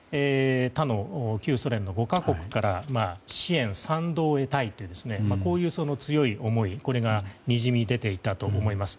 他の旧ソ連の５か国から支援・賛同を得たいというこういう強い思いがにじみ出ていたと思います。